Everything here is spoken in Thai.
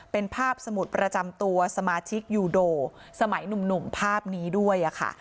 เป็นภาพสมุดประจำตัวสมาชิกยูโดสมัยหนุ่มภาพนี้ด้วยค่ะ